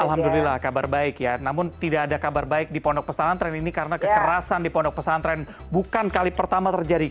alhamdulillah kabar baik ya namun tidak ada kabar baik di pondok pesantren ini karena kekerasan di pondok pesantren bukan kali pertama terjadi